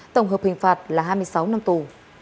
tổng hợp hình phạt là hai mươi sáu năm tù